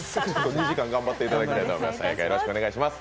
２時間頑張っていただきたいと思います。